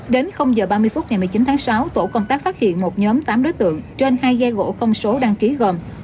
đến h ba mươi phút ngày một mươi chín tháng sáu tổ công tác phát hiện một nhóm tám đối tượng trên hai ghe gỗ không số đăng ký gồm